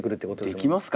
できます！